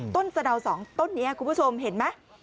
สะดาว๒ต้นนี้คุณผู้ชมเห็นไหม